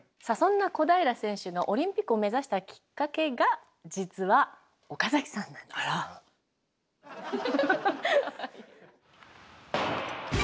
さあそんな小平選手のオリンピックを目指したきっかけが実は岡崎さんなんです。